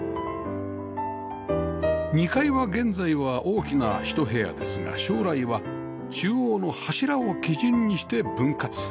２階は現在は大きな１部屋ですが将来は中央の柱を基準にして分割